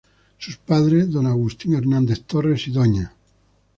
Sus padres, D. Agustín Hernández Torres y Dª.